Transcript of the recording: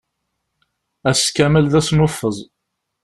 Ass kamel d asnuffeẓ.